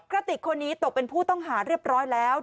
กระติกคนนี้ตกเป็นผู้ต้องหาเรียบร้อยแล้ว